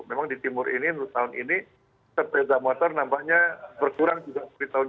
memang di timur ini menurut saya ini sepeda motor nampaknya berkurang juga dari tahun dua ribu sembilan belas